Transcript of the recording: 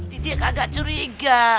tidik agak curiga